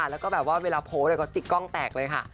แล้วก็แบบว่าเวลาโพสต์ก็จิกกล้องแตกเลยค่ะ